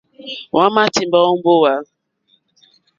Hwámà tìmbá ó mbówà.